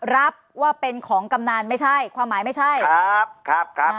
รับว่าเป็นของกำนันไม่ใช่ความหมายไม่ใช่ครับครับ